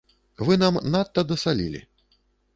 Вы нам надта дасалілі.